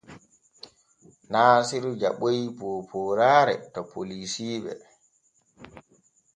Naasiisi jaɓoy poopooraare to polisiiɓe.